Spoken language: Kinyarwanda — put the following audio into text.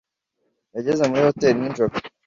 Yageze muri hoteri nijoro